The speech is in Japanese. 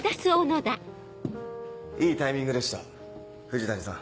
いいタイミングでした藤谷さん